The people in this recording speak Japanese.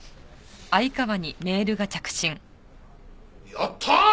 やったー！